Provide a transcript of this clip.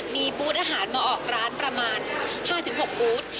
มีบูธอาหารมาออกร้านประมาณ๕๖บูธ